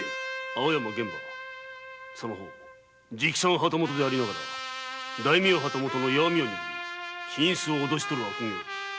青山玄蕃その方直参旗本でありながら大名旗本の弱味を握り金子を脅し取る悪行。